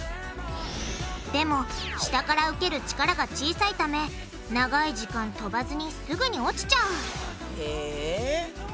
でも下から受ける力が小さいため長い時間飛ばずにすぐに落ちちゃうへぇ。